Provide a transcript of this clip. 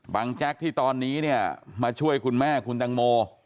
แจ๊กที่ตอนนี้เนี่ยมาช่วยคุณแม่คุณตังโม